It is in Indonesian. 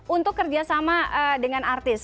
untuk kerjasama dengan artis